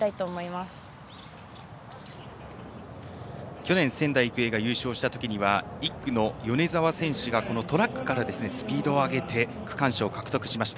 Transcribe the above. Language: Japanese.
去年、仙台育英が優勝した時は１区の米澤選手がトラックからスピードを上げて区間賞を獲得しました。